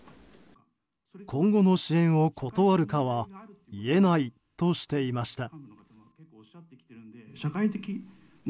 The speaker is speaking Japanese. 今後の支援を断るかは言えないとしていました。